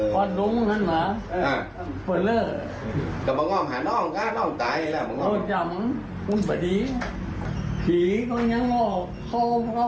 ผีมาต่อเซ็นนะผีมาสั่งนะ